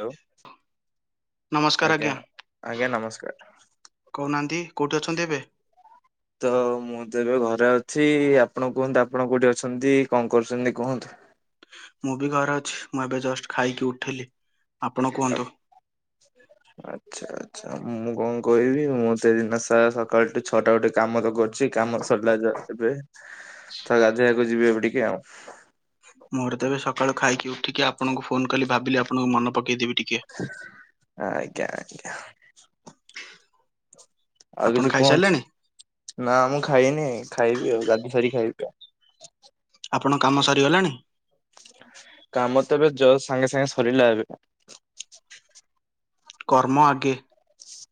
Hello. ଆଜ୍ଞା ଆଜ୍ଞା ନମସ୍କାର। କହୁନାହାନ୍ତି କୋଉଠି ଅଛନ୍ତି ଏବେ? ତ ମୁଁ ତ ଏବେ ଘରେ ଅଛି, ଆପଣ କୁହନ୍ତୁ ଆପଣ କୋଉଠି ଅଛନ୍ତି କଣ କରୁଛନ୍ତି କୁହନ୍ତୁ? ମୁଁ ବି ଘରେ ଅଛି। ମୁଁ ଏବେ ଜଷ୍ଟ ଖାଇକି ଉଠିଲି। ଆପଣ କୁହନ୍ତୁ? ହୁଁ। ଆଛା ଆଚ୍ଛା ମୁଁ କଣ କହିବି ମୁଁ ସେ ଦିନା ସକାଳଠୁ ଛଅଟା ଗୋଟେ କାମ ତ କରୁଛି କାମ ସରିଲା ଏବେ ତ ଗାଧୋଇବାକୁ ଯିବି ଏବେ ଟିକେ ଆଉ। ମୋର ତ ଏବେ ସକାଳୁ ଖାଇକି ଉଠିକି ଆପଣଙ୍କୁ ଫୋନ୍ କଲି ଭାବିଲି ଆପଣଙ୍କୁ ମନେ ପକେଇଦେବି ଟିକେ। ଆଜ୍ଞା ଆଜ୍ଞା। ଆଉ ଆପଣ କିଛି କୁହନ୍ତୁ, ଖାଇସାରିଲେଣି ନା ମୁଁ ଖାଇନି ଖାଇବି ଆଉ ଗାଧେଇ ସାରିକି ଖାଇବି। [inaudible] ଆପଣଙ୍କ କାମ ସରିଗଲାଣି? କାମ ତ ଏବେ ଜସ ସାଙ୍ଗେ ସାଙ୍ଗେ ସରିଲା ଏବେ। କର୍ମ ଆଗେ।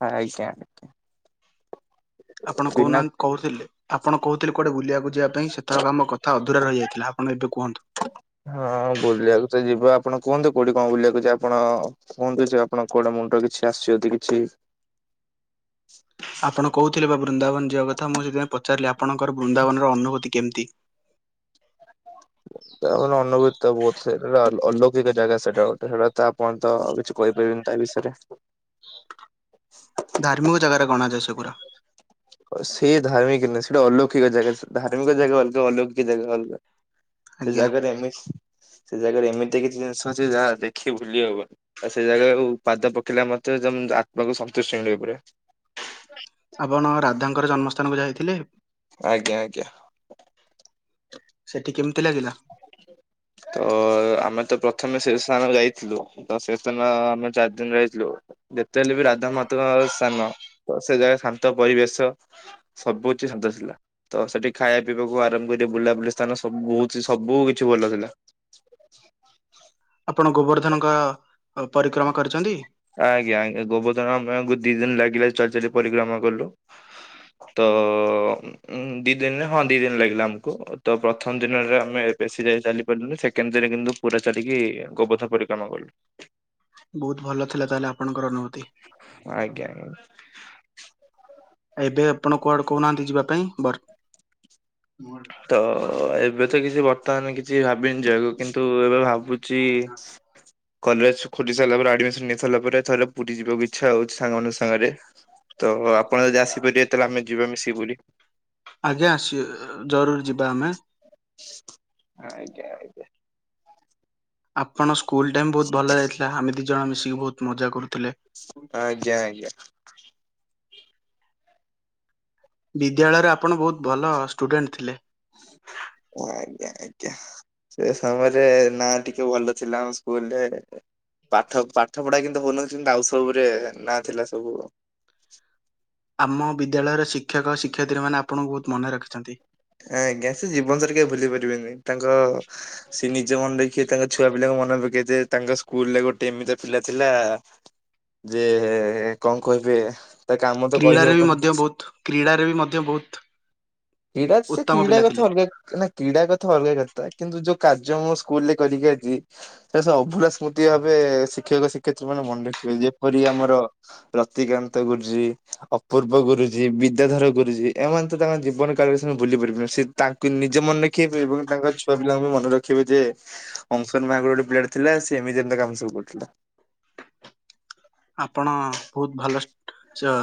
ଆଇଜ୍ଞା। ଆପଣ କହୁନାହାନ୍ତି କହୁଥିଲେ ଆପଣ କହୁଥିଲେ କୁଆଡେ ବୁଲିବାକୁ ଯିବା ପାଇଁ, ସେତଥର ଆମ କ ଥା ଅଧୁରା ରହିଯାଇଥିଲା ଆପଣ ଏବେ କୁହନ୍ତୁ। ହଁ ବୁଲିବାକୁ ତ ଯିବା, ଆପଣ କୁହନ୍ତୁ କୋଉଠି କଣ ବୁଲିବାକୁ ଯିବା ଆପଣ କୁହନ୍ତୁ ଯେ ଆପଣଙ୍କ କୁଆଡେ ମୁଣ୍ଡରେ କିଛି ଆସିଛି ଯଦି କିଛି ଆପଣ କହୁଥିଲେ ବା ବୃନ୍ଦାବନ ଜିବା କଥା, ମୁଁ ସେଥିପାଇଁ ପଚାରିଲି ଆପଣଙ୍କର ବୃନ୍ଦାବନର ଅନୁଭୂତି କେମିତି? ଅନୁଭୂତି ବହୁତ ଥାଏ ଆ ଅଲୌକିକ ଜାଗା ସେଇଟା ଗୋଟେ ସେଇଟା ତ ଆପଣ ତ କି କହିପାରିବିନି ତା ବିଷୟରେ। ଧାର୍ମିକ ଜାଗାରେ ଗଣାଯାଏ ସେଗୁରା। ସେ ଧାର୍ମିକ ନୁହେ ସେଇଟା ଅଲୌକିକ ଜାଗା ଧାର୍ମିକ ଜାଗା ଅଲଗା ଅଲୌକିକ ଜାଗା ଅଲଗା। ସେ ଆଜ୍ଞା ଜାଗାରେ ଏମିତି ସେ ଜାଗାରେ ଏମିତି କିଛି ଜିନିଷ ଅଛି ଯାହା ଦେଖି ଭୁଲି ହବନି। ଆଉ ସେଇ ଜାଗାରୁ ପାଦ ପକେଇଲା ମାତ୍ରେ ତମ ଆତ୍ମାକୁ ସନ୍ତୁଷ୍ଟି ମିଳିବ ପୁରା। ଆପଣ ରାଧାଙ୍କର ଜନ୍ମସ୍ଥାନକୁ ଯାଇଥିଲେ? ଆଜ୍ଞା ଆଜ୍ଞା। ସେଠି କେମିତି ଲାଗିଲା? ତ ଆମେ ତ ପ୍ରଥମେ ସେ ସ୍ଥାନ ଯାଇଥିଲୁ। ତ ସ୍ଥାନର ଆମେ ଚାରି ଦିନ ରଇଥିଲୁ। ଯେତେହେଲେ ବି ରାଧା ମାତସ୍ଥାନ ତ ସେ ଜାଗାରେ ଶାନ୍ତ ପରିବେଶ। ସବୁକିଛି ଶାନ୍ତ ଥିଲା। ତ ସେଠି ଖାଇବା ପିଇବାକୁ ଆରାମ କରି ବୁଲାବୁଲି ସ୍ଥାନ ସବୁ ବହୁତ ସବୁ କିଛି ଭଲ ଥିଲା। [inaudible] ଆପଣ ଗୋବର୍ଦ୍ଧନଙ୍କ ପରିକ୍ରମା କରିଛନ୍ତି? ଆଜ୍ଞା ଆଜ୍ଞା ଗୋବଧନ ଆମକୁ ଦି ଦିନ ଲାଗିଲା ଚଲି ଚାଲି ପରିକ୍ରମା କଲୁ। ତ ଉଁ ଦି ଦିନରେ ହଁ ଦି ଦିନ ଲାଗିଲା ଆମକୁ, ତ ପ୍ରଥମ ଦିନରେ ଆମେ ବେଶୀ ଯାଇ ଚାଲି ପାରିଲୁନି, ସେକେଣ୍ଡ ଦିନ କିନ୍ତୁ ପୁରା ଚାଲିକି ଗୋବଧ ପରିକ୍ରମା କଲୁ। ବହୁତ ଭଲ ଥିଲା ତାହେଲେ ଆପଣଙ୍କର ଅନୁଭୂତି। ଆଜ୍ଞା ଆ ଏବେ ଆପଣ କୁଆଡେ କହୁନାହାନ୍ତି ଯିବା ପାଇଁ? ତ ଏବେ ତ କିଛି ବର୍ତ୍ତମାନ କି କିଛି ଭାବିନି ଯିବାକୁକିନ୍ତୁ ଏବେ ଭାବୁଛି କଲେଜ ଖୋଲି ସାଇଲା ପରେ ଆଡମିସନ ନେଇ ସାରଲା ପରେ ଥରେ ପୁରୀ ଯିବାକୁ ଇଚ୍ଛା ହଉଛି ସାଙ୍ଗମାନଙ୍କ ସାଙ୍ଗରେ। ତ ଆପଣ ଯଦି ଆସିପାରିବେ ତାହେଲେ ଆମେ ଯିବା ମିଶିକି ପୁରି। ଆଜ୍ଞା ଆସିଏ ଜରୁର ଯିବା ଆମେ। ଆଜ୍ଞା ଆଜ୍ଞା। ଆପଣ ସ୍କୁଲ୍ ଟାଇମ୍ ବହୁତ ଭଲ ଯାଇଥିଲା, ଆମେ ଦିଇ ଜଣ ମିଶିକି ବହୁତ ମଜା କରୁଥିଲେ। ଆଜ୍ଞା ଆଜ୍ଞା। ବିଦ୍ୟାଳୟରେ ଆପଣ ବହୁତ ଭଲ ଷ୍ଟୁଡେଣ୍ଟ ଥିଲେ। ଆଜ୍ଞା ଆଜ୍ଞା, ସେ ସମୟରେ ନା ଟିକେ ଭଲ ଥିଲା ଆମ ସ୍କୁଲରେ। ପାଠ, ପାଠ ପଢା କିନ୍ତୁ ହଉନଥିଲା, କିନ୍ତୁ ଆଉ ସବୁ ରେ, ନାଁ ଥିଲା ସବୁ। ଆମ ବିଦ୍ୟାଳୟର ଶିକ୍ଷକ ଶିକ୍ଷୟତ୍ରୀ ମାନେ, ଆପଣଙ୍କୁ ବହୁତ ମନେ ରଖିଚନ୍ତି। ଆଜ୍ଞା, ସେ ଜୀବନ ସରେ କେହି ଭୁଲି ପାରିବେନି, ତାଙ୍କ ସିଏ ନିଜ ମନେ ରଖିବେ, ତାଙ୍କ ଛୁଆ ପିଲାଙ୍କୁ ମନେ ପକେଇଦେବେ, ତାଙ୍କ ସ୍କୁଲରେ ଗୋଟେ ଏମିତି ପିଲା ଥିଲା ଆ ଯେ, କଣ କହିବେ? ତା କାମ ତ କ୍ରୀଡ଼ାରେ ବି କହିହବନି ମଧ୍ୟ କିଛି। ବହୁତ, କ୍ରୀଡ଼ାରେ ବି ମଧ୍ୟ ବହୁତ କ୍ରୀଡା, ସେ ଉତ୍ତମ କ୍ରୀଡ଼ା ପିଲା ଥିଲେ। କଥା ଅଲଗା, ନା କ୍ରୀଡ଼ା କଥା ଅଲଗା କଥା, କିନ୍ତୁ ଯୋଉ କାର୍ଯ୍ୟ ମୁଁ ସ୍କୁଲରେ କରିକି ଆଜି ସେଇଟା ସ ଅଭୁରା ସ୍ମୃତି ଭାବେ, ଶିକ୍ଷକ ଶିକ୍ଷୟତ୍ରୀ ମାନେ ମନେ ରଖିବେ, ଯେପରି ଆମର ରତିକାନ୍ତ ଗୁରୁଜୀ, ଅପୂର୍ବ ଗୁରୁଜୀ, ବିଦ୍ୟାଧର ଗୁରୁଜୀ, ଏମାନେ ତ ତାଙ୍କ ଜୀବନ ତାଙ୍ଗେ ଭୁଲି ପାରିବେନି, ସେ ତାଙ୍କୁ ନିଜେ ମନେ ରଖିବେ ଏବଂ ତାଙ୍କ ଛୁଆ ପିଲାଙ୍କୁ ବି ମନେ ରଖିବେ ଯେ ଅଂସନ ମାଙ୍କର ଗୋଟେ ପିଲାଟେ ଥିଲା, ସେ ଏମିତି ଏମିତି କାମ ସବୁ କରୁଥିଲା। ଆପଣ ବହୁତ ଭଲ ଚ,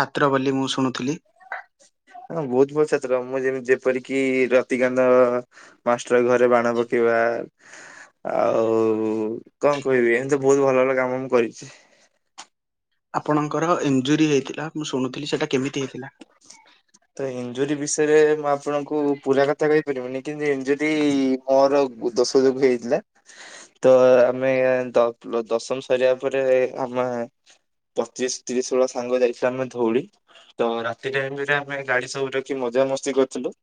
ଛାତ୍ର ବୋଲି ମୁଁ ଶୁଣୁଥିଲି। ହଁ ବହୁତ ଭଲ ଛାତ୍ର, ମୁଁ ଯେମିତି ଯେପରିକିି ରତିକାନ୍ତ ମାଷ୍ଟର ଘରେ ବାଣ ପକେଇବା। ଆଉ କଣ କହିବି? ଏମିତି ବହୁତ ଭଲ ଭଲ କାମ ମୁଁ କରିଚି। ଆପଣଙ୍କର ଇଞ୍ଜୁରୀ ହେଇଥିଲା, ମୁଁ ଶୁଣୁଥିଲି, ସେଟା କେମିତି ହେଇଥିଲା? ତ ଇଞ୍ଜୁରୀ ବିଷୟରେ, ମୁଁ ଆପଣଙ୍କୁ ପୁରା କଥା କଥା କହିପାରିବିନି, କିନ୍ତୁ ଇଞ୍ଜୁରୀ ମୋର ଦୋଷ ଯୋଗୁ ହେଇଥିଲା। ତ ଆମେ ଦଶମ ସରିବା ପରେ, ଆମେ ପଚିଶି, ତିରିଶି ବେଳ ସାଙ୍ଗ ଯାଇଥିଲା ଆମେ ଧଉଳି, ତ ରାତି ଟାଇମ୍ ରେ ଆ ଆମେ ଗାଡି ସବୁ ରଖି ମଜାମସ୍ତି କରିଥିଲୁ,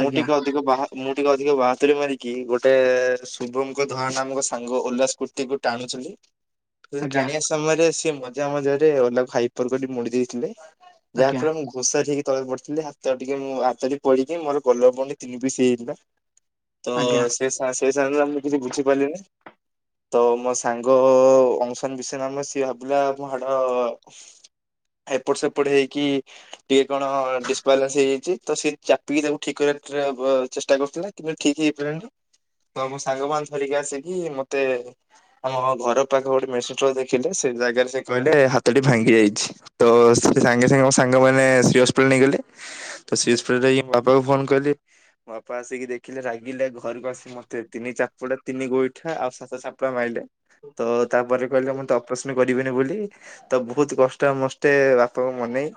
ମୁଁ ଆଜ୍ଞା ଟିକେ ଅ ବାହା, ମୁଁ ଟିକେ ଅଧିକ ବାହାଦୂରୀ ମାରିକି ଗୋଟେ ଶୁଭମଙ୍କ ଧଆ ନାମକ ସାଙ୍ଗ ଓଲା ସ୍କୁ ସ୍କୁଟି କୁ ଟାଣୁଥିଲି ଆଜ୍ଞା ଟାଣିବା ସମୟରେ, ସିଏ ମଜା ମଜା ରେ ଓଲାକୁ ହାଇପର କରି ମୋଡି ଦେଇଥିଲେ ଆଜ୍ଞା ଯାହାଫଳରେ ମୁ ଘୋଷାରି ହେଇକି ତଳେ ପଡିିଥିଲି, ହାତ ଟିକେ ମୁଁ, ହାତରେ ପଡ଼ିକି ମୋର [unintelligible] ତିନି ପିସ୍ ହେଇଥିଲା। [inaudible] ତ ସେ, ସେ ସାଙ୍ଗ [unintelligible] ମୁଁ କିଛି ବୁଝିପାରିଲିନି। ତ ମୋ ସାଙ୍ଗ ଅଂସନ ବିଷୟ ନାମ, ସିଏ ଭାବିଲା ମୋ ହାଡ ଏପଟ ସେପଟ ହେଇକି ଟିକେ କଣ ଡିସବାଲାନ୍ସ ହେଇଯାଇଛି, ତ ସେ ଚାପିକି ତାକୁ ଠିକ କରିବା ଚେଷ୍ଟା କରୁଥିଲା କିନ୍ତୁ ଠିକ ହେଇପାଇଲାନି, ତ ମୋ ସାଙ୍ଗ ମାନେ ଧରିକି ଆସିକି ମତେ ଆମ ଘର ପାଖ ଗୋଟେ ମେଡ଼ିସିନ ଷ୍ଟୋର ଦେଖେଇଲେ, ସେ ଜାଗାରେ ସେ କହିଲେ ହାତଟି ଭାଙ୍ଗି ଯାଇଛି। ତ ସେ ସାଙ୍ଗେ ସାଙ୍ଗେ ମୋ ସାଙ୍ଗ ମାନେ ଶ୍ରୀ ହସ୍ପିଟାଲ ନେଇଗଲେ। ତ ଶ୍ରୀ ହସ୍ପିଟାଲ ଯାଇକି ବାପାଙ୍କୁ ଫୋନ କଲି, ମୋ ବାପା ଆସିକି ଦେଖିଲେ ରାଗିଲେ, ଘରକୁ ଆସି ମତେ ତିନି ଚାପୁଡା, ତିନି ଗୋଇଠା, ଆଉ ସାତ ଚାପୁଡ଼ା ମାଇଲେ। ତ ତାପରେ କହିଲେ, ମୁଁ ତ ଅପରେସନ କରିବିନି ବୋଲି ତ ବହୁତ କଷ୍ଟେ ମଷ୍ଟେ ବାପାଙ୍କୁ ମନେଇ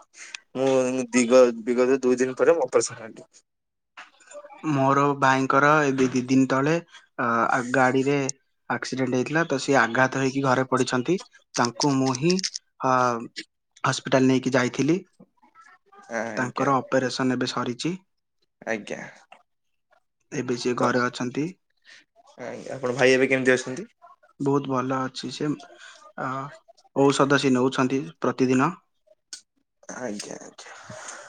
ମୁଁ ଦିଗ, ବିଗତ ଦୁଇ ଦିନ ପରେ ମୁଁପରେ ଅପରେସନ ହେଲି। ମୋର ଭାଇଙ୍କର ଏବେ ଦି ଦିନ ତଳେ, ଅ ଗାଡିରେ ଆକ୍ସିଡେଣ୍ଟ ହେଇଥିଲା ତ ସିଏ ଆଘାତ ହେଇକି ଘରେ ପଡିଛନ୍ତି, ତାଙ୍କୁ ମୁଁ ହିଁ ହ ହସ୍ପିଟାଲ ନେଇକି ଯାଇଥିଲି, ଆଜ୍ଞା ତାଙ୍କର ଅପରେସନ ଏବେ ସରିଚି। ଆଜ୍ଞା। ଏବେ ସିଏ ତ ଘରେ ଅଛନ୍ତି ଆଜ୍ଞା ଆପଣ ଭାଇ ଏବେ କେମିତି ଅଛନ୍ତି? ବହୁତ ଭଲ ଅଛି ସେ ଔଷଧ ସେ ନେଉଛନ୍ତି ପ୍ରତିଦିନ। ଆଜ୍ଞା ଆଜ୍ଞା।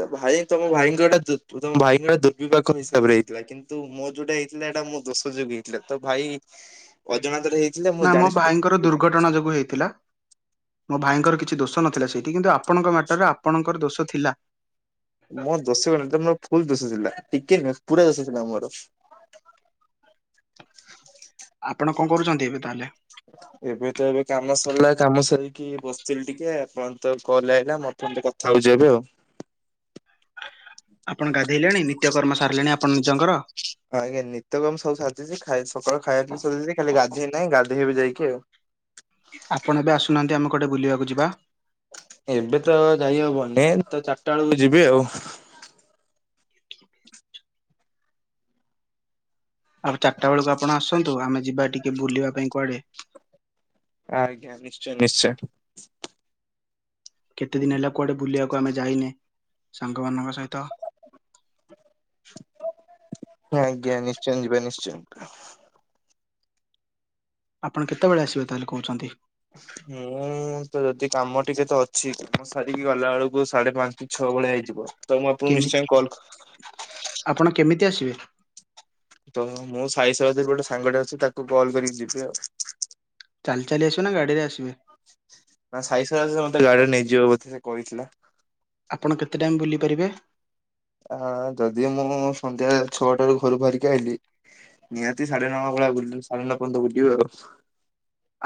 ତ ଭାଇ ତମ ଭାଇଙ୍କ ଏଟା ତମ ଭାଇଙ୍କର ଦୁର୍ବିପାକ ହିସାବରେ ହେଇଥିଲା କିନ୍ତୁ କିନ୍ତୁ ମୋ ଯୋଉଟା ହେଇଥିଲା ଏଇଟା ମୋ ଦୋଷ ଯୋଗୁ ହେଇଥିଲା। ତ ଭାଇ ଅଜାଣତରେ ହେଇଥିଲା ମୁଁ ନା ମୋ ଜାଣି ଭାଇଙ୍କର ଦୁର୍ଘଟଣା ଯୋଗୁ ହେଇଥିଲା। ମୋ ଭାଇଙ୍କର କିଛି ଦୋଷ ନଥିଲା ସେଇଠି କିନ୍ତୁ ଆପଣଙ୍କ ମ୍ୟାଟରେ ଆପଣଙ୍କର ଦୋଷ ଥିଲା। ମୋ ଦୋଷ [unintelligible] ଫୁଲ୍ ଦୋଷ ଥିଲା ଟିକେ ନୁହଁ ପୁରା ଦୋଷଥିଲା ମୋର। ଆପଣ କଣ କରୁଛନ୍ତି ଏବେ ତାହେଲେ? ହ ଏବେ ତ ଏବେ କାମ ସରିଲା କାମ ସରିକି ବସିଥିଲି ଟିକେ ଆପଣ ତ କଲ୍ ଆଇଲା ମ ଖାଉଛି ଏବେ ଆଉ। ଆପଣ ଗାଧେଇଲେଣି ନିତ୍ୟ କର୍ମ ସାରିଲେଣି ଆପଣ ନିଜଙ୍କର। ହଁ ଆଜ୍ଞା ନିିତ୍ୟ ବି ଆଁ ସବୁ ସାରିଦେଇଛି ଖାଇ ସକାଳୁ ଖାଇବା ବି ସରିଛି ଖାଲି ଗାଧେଇ ନାହିଁ ଗାଧେଇ ଯାଇକି ଆଉ। ଆପଣ ଏବେ ଆସୁନାହାନ୍ତି ଆମେ କୋଟେ ବୁଲିବାକୁ ଯିବା? ଏବେ ତ ଯାଇହବନି ତ ଚାରିଟା ବେଳକୁ ଯିବି ଆଉ। ଆଉ ଚାରିଟା ବେଳକୁ ଆପଣ ଆସନ୍ତୁ ଆମେ ଯିବା ଟିକେ ବୁଲିବା ପାଇଁ କୁଆଡେ? ଆଜ୍ଞା ନିଶ୍ଚୟ ନିଶ୍ଚୟ। କେତେ ଦିନ ହେଲା କୁଆଡ଼େ ବୁଲିବାକୁ ଆମେ ଯାଇନେ ସାଙ୍ଗମାନଙ୍କ ସହିତ। ଆଜ୍ଞା ନିଶ୍ଚୟ ଯିବା ନିଶ୍ଚୟ। ଆପଣ କେତେବେଳେ ଆସିବେ ତାହେଲେ କହୁଛନ୍ତି? ମୁଁ ତ ଯଦି କାମ ଟିକେ ତ ଅଛି କାମ ସାରିକି ଗଲା ବେଳକୁ ସାଢେ ପାଞ୍ଚ କି ଛଅ ଭଳିଆ ହେଇଯିବ। ତ ମୁଁ ଆପଣଙ୍କୁ କେମି ନିଶ୍ଚୟ କଲ୍ ଆପଣ କେମିତି ଆସିବେ? ତ ମୁଁ ସାଇଶ ଯରେ ଗୋଟେ ସାଙ୍ଗଟେ ଅଛି ତାକୁ କଲ୍ କରିକି ଯିବି ଆଉ। ଚାଲି ଚାଲି ଆସିବେ ନା ଗାଡ଼ିରେ ଆସିବେ? ନା ସାଇ ସାରିଲ ମତେ ଗାଡିରେ ନେଇଯିବ ବୋଧେ ସେ କହିଥିଲା। ଆପଣ କେତେ ଟାଇମ୍ ବୁଲିପାରିବେ? ଆ ଯଦି ମୁଁ ସନ୍ଧ୍ୟା ଛଅଟାରୁ ଘରୁ ବାହାରିକି ଆଇଲିି ନିହାତି ସାଢେ ନଅ ଭଳିଆ ବୁ ସଢେ ନଅ ପର୍ଯ୍ୟନ୍ତ ବୁଲିବୁ ଆଉ।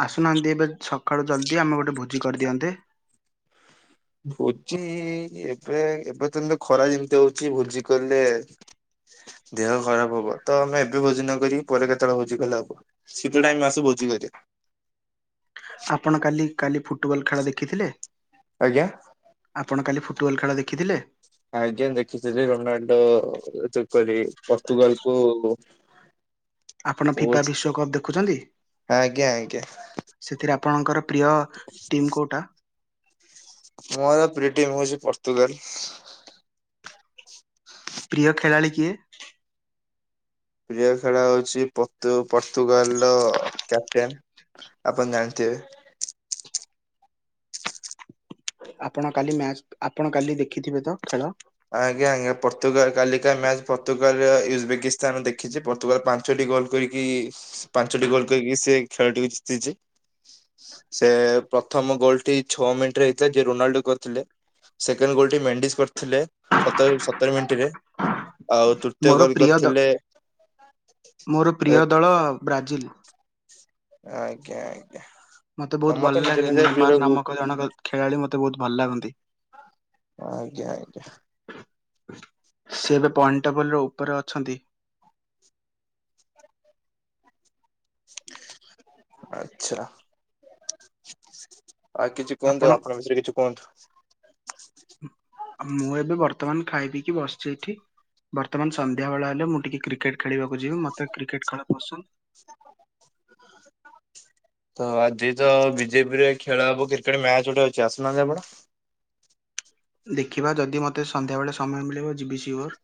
ଆସୁନାହାଁନ୍ତି ଏବେ ସକାଳୁ ଜଲ୍ଦି ଆମେ ଗୋଟେ ଭୋଜି କରିଦିଅନ୍ତେ। ଭୋଜି ଏବେ ଏବେ ତମିତି ଖରା ଯେମିତି ହଉଛି ଭୋଜି କଲେ ଦେହ ଖରାପ ହବ ତ ଆମେ ଏବେ ଭୋଜିନ କର ପରେ କେତେବେଳେ ଭୋଜି କଲେ ହବ। ଶୀତ ଟାଇମ୍ ଆସୁ ଭୋଜି କରିବା। ଆପଣ କାଲି କାଲି ଫୁଟବଲ୍ ଖେଳ ଦେଖିଥିଲେ? ଆଜ୍ଞା। ଆପଣ କାଲି ଫୁଟବଲ୍ ଖେଳ ଦେଖିଥିଲେ? ଆଜ୍ଞା ଦେଖିଥିଲି ରୋନାଲଡୋ କ ପର୍ତୁଗାଲ କୁ ଆପଣ ଫିଫା ବହୁତ ବିଶ୍ଵ କପ୍ ଦେଖୁଛନ୍ତି। ଆଜ୍ଞା ଆଜ୍ଞା ସେଥିରେ ଆପଣଙ୍କର ପ୍ରିୟ ଟିମ୍ କୋଉଟା? ମୋର ପ୍ରିୟ ଟିମ୍ ହଉଛି ପର୍ତ୍ତୁଗାଲ୍। ପ୍ରିୟ ଖେଳାଳି କିଏ? ପ୍ରିୟ ଖେଳ ହଉଛି ପର୍ତୁଗାଲ୍ ର କ୍ୟାପଟେନ୍। ଆପଣ ଜାଣିଥିବେ। ଆପଣ କାଲି ମ୍ୟାଚ ଆପଣ କାଲି ଦେଖିଥିବେ ତ ଖେଳ? ଆଜ୍ଞା ଆଜ୍ଞା ପର୍ତୁଗାଲ କଳିକା ମ୍ୟାଚ ପର୍ତ୍ତୁଗାଲରେ ଉଜବେକିସ୍ତାନ ଦେଖିଛି ପର୍ତ୍ତୁଗାଲ ପାଞ୍ଚ ପାଞ୍ଚଟି ଗୋଲ କରିକି ପାଞ୍ଚଟି ଗୋଲ କରିକି ସେ ଖେଳଟିକୁ ଜିତିଛି। ସେ ପ୍ରଥମ ଗୋଲ ଟି ଛଅ ମିନିଟ ରେ ହେଇଥିଲା ଯ ରୋନାଲ୍ଡୋ କରିଥିଲେ। ସେକେଣ୍ଡ ଗୋଲ ଟି ମେଣ୍ଡିଜ କରିଥିଲେ ସତର ମିନିଟରେ। ଆଉ ତୃତୀୟ ମୋର ଗୋଲ ପ୍ରିୟ ଦଳ କରିଥିଲେ ମୋର ଏ ପ୍ରିୟ ଦଳ ବ୍ରାଜିଲ। ଆଜ୍ଞା ଆଜ୍ଞା। ମତେ ବହୁତ ସମସ୍ତେ ଭଲ ନିଜ ଲାଗେ ନିଜ ପ୍ରିୟ ନିମାର ନାମକ ଜଣ ଖେଳାଳି ମତେ ବହୁତ ଭଲ ଲାଗନ୍ତି। ଆଜ୍ଞା ଆଜ୍ଞା। ସେ ଏବେ ପଏଣ୍ଟ ଟେବଲ ର ଉପରେ ଅଛନ୍ତି। ଆଚ୍ଛା। ଆଉ କିଛି କୁହନ୍ତୁ ଆପଣ ବିଷୟରେ କିଛି କୁହନ୍ତୁ? ମୁଁ ଏବେ ବର୍ତ୍ତମାନ ଖାଇ ପିକି ବସିଛି ଏଇଠି। ବର୍ତ୍ତମାନ ସନ୍ଧ୍ୟା ବେଳ ହେଲେ ମୁଁ ଟିକେ କ୍ରିକେଟ ଖେଳିବାକୁ ଯିବି ମତେ କ୍ରିକେଟ ଖେଳ ପସନ୍ଦ। ତ ଆଜି ତ ବିଜେପି ରେ ଖେଳ ହବ କ୍ରିକେଟ ମ୍ୟାଚ ଗୋଟେ ଅଛି ଆସୁନାହାନ୍ତି ଆପଣ? ଦେଖିବା ଯଦି ମୋତେ ସନ୍ଧ୍ୟାବେଳେ ସମୟ ମିଳିବ ଯିବି ସିଓୋର୍।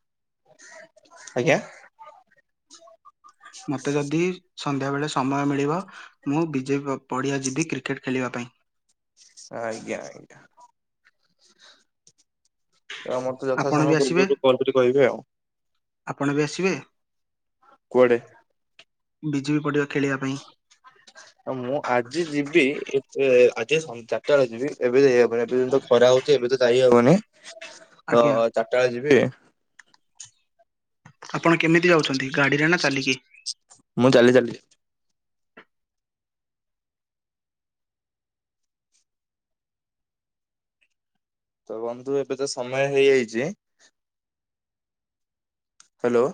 ଆଜ୍ଞା? ମୋତେ ଯଦି ସନ୍ଧ୍ୟାବେଳେ ସମୟ ମିଳିବ ମୁଁ ବିଜେ ପଡ଼ିଆ ଯିବି କ୍ରିକେଟ ଖେଳିବା ପାଇଁ। ଆଜ୍ଞା ଆଜ୍ଞା। ତ ମୋତେ ଯଥା ଆପଣ ବି ସମୟ ଆସିବେ ପୂର୍ବରୁ କଲ୍ କରି କହିବେ ଆଉ। ଆପଣ ବି ଆସିବେ? କୁଆଡେ? ବିଜେବି ପଡ଼ିଆ ଖେଳିବା ପାଇଁ? ମୁଁ ଆଜି ଯିବି ଏ ଆଜି ଚାରିଟା ବେଳେ ଯିବି ଏବେ ଏବେି ଖରା ହଉଛି ଏବେ ତ ଯାଇହବନିଁ ଆଜ୍ଞା ତ ଚାରିଟା ବେଳେ ଯିବି। ଆପଣ କେମିତି ଯାଉଛନ୍ତି ଗାଡିରେ ନା ଚାଲିକି? ମୁଁ ଚାଲି ଚାଲି। ତ ବନ୍ଧୁ ଏବେ ତ ସମୟ ହେଇଯାଇଛି। ହ୍ୟାଲୋ।